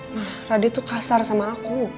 ma radit tuh kasar sama aku